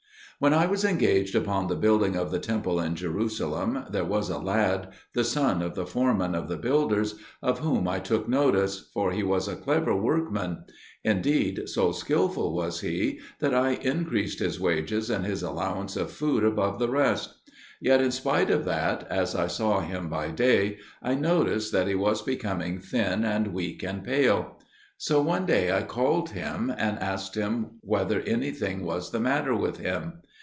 When I was engaged upon the building of the temple in Jerusalem, there was a lad, the son of the foreman of the builders, of whom I took notice, for he was a clever workman. Indeed, so skilful was he that I increased his wages and his allowance of food above the rest. Yet in spite of that, as I saw him by day, I noticed that he was becoming thin and weak and pale. So one day I called him and asked him whether anything was the matter with him.